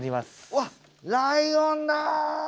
あっわあライオンだ！